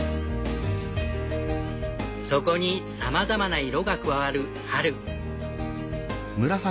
そこにさまざまな色が加わる春。